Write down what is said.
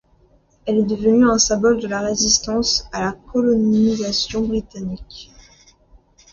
Elle est devenue un symbole de la résistance à la colonisation britannique.